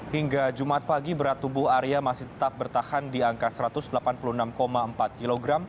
hingga jumat pagi berat tubuh arya masih tetap bertahan di angka satu ratus delapan puluh enam empat kg